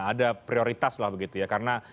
ada prioritas lah begitu ya karena